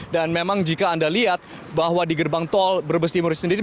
dan memang jika anda lihat bahwa di gerbang tol berbes timur itu sendiri